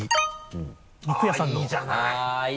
お肉屋さんの。